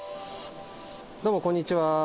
どうもこんにちは。